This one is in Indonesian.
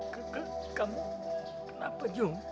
kamu kenapa jum